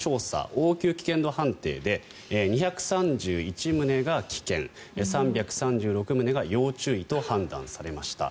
応急危険度判定で２３１棟が危険３３６棟が要注意と判断されました。